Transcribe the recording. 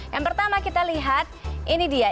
yang pertama kita lihat ini dia